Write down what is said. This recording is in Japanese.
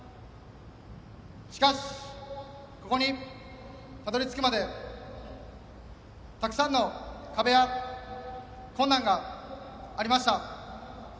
しかし、ここにたどり着くまでたくさんの壁や困難がありました。